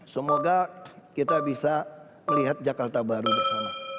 semoga kita bisa melihat jakarta baru bersama